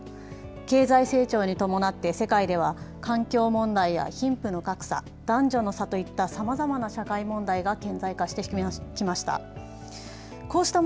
経済成長に伴って世界では環境問題や貧富の格差、男女の差といったさまざまな社会問題が顕在化してきました。